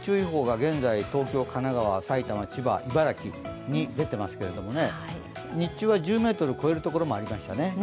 現在東京、神奈川、埼玉、千葉茨城に出ていますけれども、日中は１０メートル超えるところもありましたね。